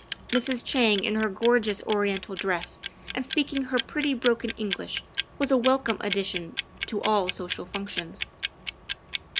Mrs. Chang in her gorgeous oriental dress and speaking her pretty broken English was a welcome addition to all social functions.